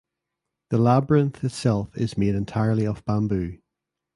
The labyrinth itself is made entirely of bamboo.